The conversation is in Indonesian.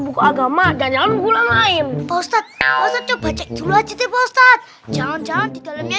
buku agama dan yang gula main post op coba cek dulu aja tepok saat jangan jangan di dalamnya